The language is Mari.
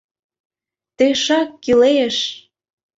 Тӧшак кӱлеш!